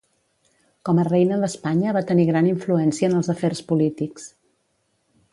Com a reina d'Espanya va tenir gran influència en els afers polítics.